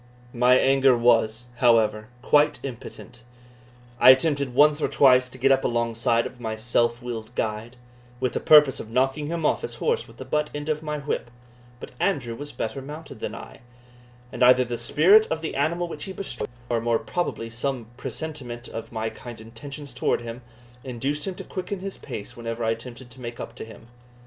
My anger was, however, quite impotent. I attempted once or twice to get up alongside of my self willed guide, with the purpose of knocking him off his horse with the butt end of my whip; but Andrew was better mounted than I, and either the spirit of the animal which he bestrode, or more probably some presentiment of my kind intentions towards him, induced him to quicken his pace whenever I attempted to make up to him.